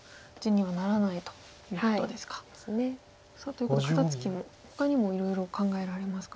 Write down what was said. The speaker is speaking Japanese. ということで肩ツキもほかにもいろいろ考えられますか？